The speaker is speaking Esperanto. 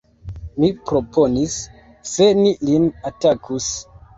mi proponis: se ni lin atakus!